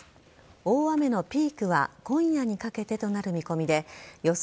大雨のピークは今夜にかけてとなる見込みで予想